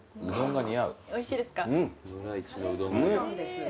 おいしいですか？